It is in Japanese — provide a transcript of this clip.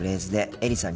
エリさん。